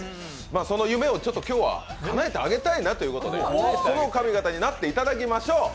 その夢を今日はかなえてあげたいなということでこの髪型になっていただきましょう！